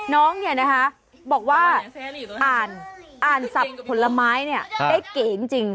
น้องบอกว่าอ่านสับผลไม้ได้เก่งจริง